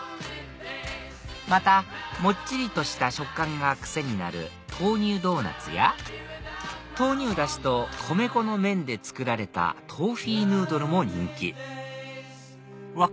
またもっちりとした食感が癖になる豆乳ドーナツや豆乳ダシと米粉の麺で作られたＴＯＦＦＥＥヌードルも人気うわっ